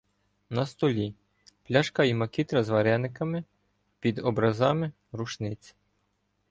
На столі — пляшка і макітра з варениками, під образами рушниці.